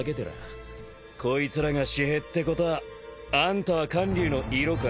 こいつらが私兵ってことはあんたは観柳のイロか？